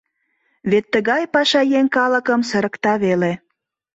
Вет тыгай пашаеҥ калыкым сырыкта веле.